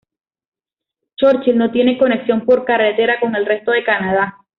Churchill no tiene conexión por carretera con el resto de Canadá.